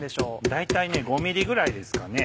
大体５ｍｍぐらいですかね。